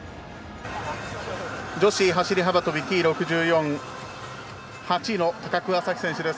女子走り幅跳びＴ６４８位の高桑早生選手です。